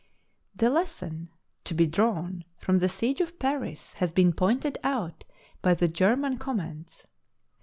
The lesson to be drawn from the siege of Paris has been pointed out by the German comments.